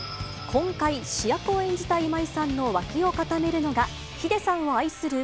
今回、主役を演じた今井さんの脇を固めるのが、ｈｉｄｅさんを愛する